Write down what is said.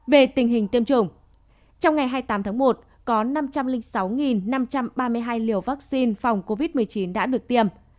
về tình hình tiêm chủng trong ngày hai mươi tám tháng một có năm trăm linh sáu năm trăm ba mươi hai liều vaccine phòng covid một mươi chín đã được tiêm